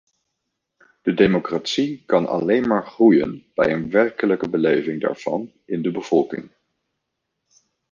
De democratie kan alleen maar groeien bij een werkelijke beleving daarvan in de bevolking.